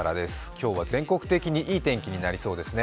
今日は全国的にいい天気になりそうですね。